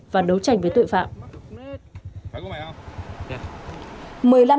và đấu tranh với tội phạm